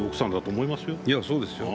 いや、そうですよね。